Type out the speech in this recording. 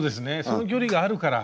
その距離があるから。